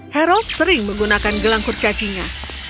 harold sering menggunakan gelang kurcacinya